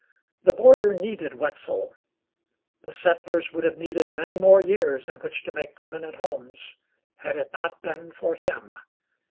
The border needed Wetzel. The settlers would have needed many more years in which to make permanent homes had it not been for him.